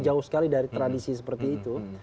jauh sekali dari tradisi seperti itu